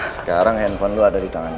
sekarang handphone lu ada di tangan gua